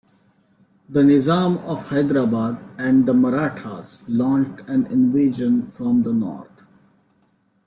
The Nizam of Hyderabad and the Marathas launched an invasion from the north.